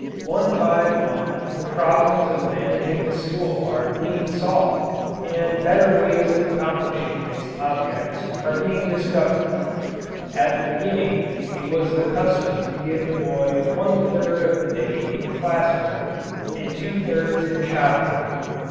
One by one the problems of managing the school are being solved and better ways of accomplishing its objects are being discovered. At the beginning it was the custom to give the boy one third of the day in class work and two thirds in shop work.